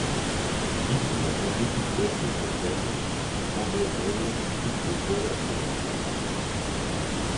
Fils d’un agriculteur de Pontoise, André Eve quitte l’école à treize ans.